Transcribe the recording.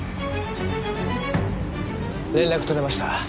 連絡取れました。